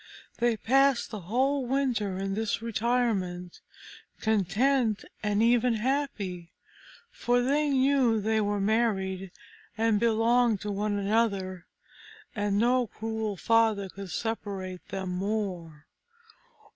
They passed the whole winter in this retirement, contented and even happy; for they knew they were married, and belonged to one another, and no cruel father could separate them more.